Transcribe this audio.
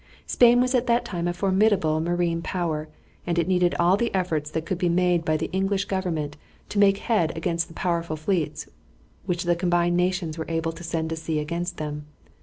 Spain was at that time a formidable marine power, and it needed all the efforts that could be made by the English government to make head against the powerful fleets which the combined nations were able to send to sea against them.